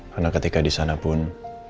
karena ketika di sana pun